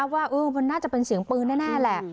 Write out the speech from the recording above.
ว่ามันน่าจะเป็นเสียงปืนแน่แหละ